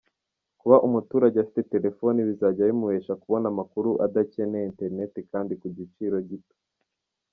Kuba umuturage afite telefoni bizajya bimuhesha kubona amakuru adakeneye internet kandi ku giciro gito.